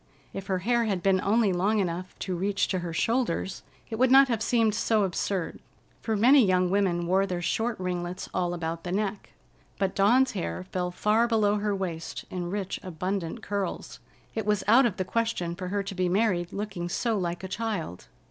If her hair had been only long enough to reach to her shoulders, it would not have seemed so absurd, for many young women wore their short ringlets all about the neck. But Dawn's hair fell far below her waist in rich, abundant curls. It was out of the question for her to be married looking so like a child.